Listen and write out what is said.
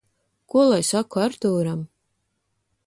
Ko lai saku Artūram?